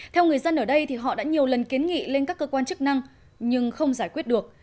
theo người dân ở đây thì họ đã nhiều lần kiến nghị lên các cơ quan chức năng nhưng không giải quyết được